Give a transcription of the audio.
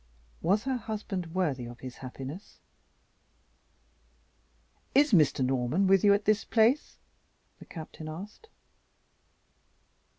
Was her husband worthy of his happiness? "Is Mr. Norman with you at this place?" the Captain asked.